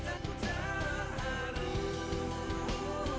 saat ku kejut manis bibirmu